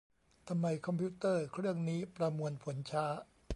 ทำไมคอมพิวเตอร์เครื่องนี้ประมวลผลช้า